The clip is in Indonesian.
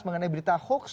mengenai berita hoax